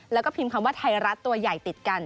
แล้วก็พิมพ์คำว่าไทยรัฐตัวใหญ่ติดกัน